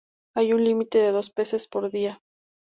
Hay un límite de dos peces por día.